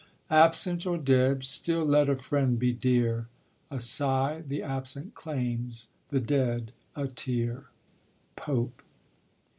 Absent or dead, still let a friend be dear, A sigh the absent claims, the dead a tear. POPE.